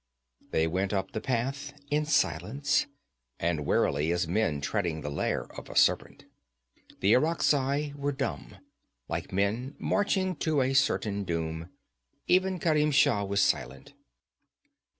They went up the path in silence, and warily as men treading the lair of a serpent. The Irakzai were dumb, like men marching to a certain doom. Even Kerim Shah was silent.